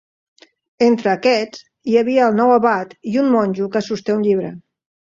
Entre aquests, hi havia el nou abat i un monjo que sosté un llibre.